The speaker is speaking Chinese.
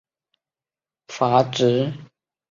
这个阈值用于图像中出现的像素强度的动态范围。